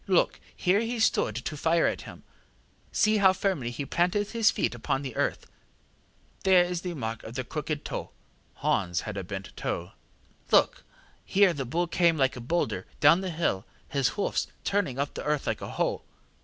Look, here he stood to fire at him; see how firmly he planted his feet upon the earth; there is the mark of his crooked toe (Hans had one bent toe). Look! here the bull came like a boulder down the hill, his hoofs turning up the earth like a hoe.